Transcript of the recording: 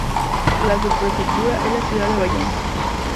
La subprefectura es la ciudad de Avallon.